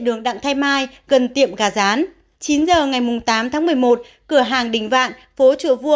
đường đặng thái mai gần tiệm gà rán chín h ngày tám tháng một mươi một cửa hàng đình vạn phố chùa vua